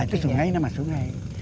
itu sungai namanya sungai